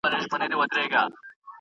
هغه څوک چي سفر کوي تجربه اخلي!.